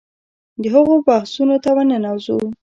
هغو بحثونو ته ورننوځو.